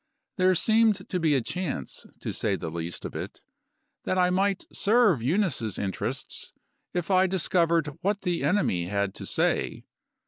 There seemed to be a chance, to say the least of it, that I might serve Eunice's interests if I discovered what the enemy had to say.